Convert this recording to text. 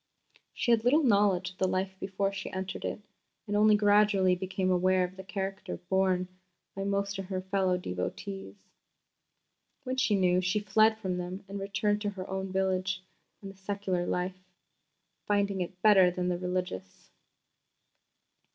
She had little knowledge of the life before she entered it, and only gradually became aware of the character borne by most of her fellow devotees. When she knew, she fled from them and returned to her own village and the secular life, finding it better than the religious.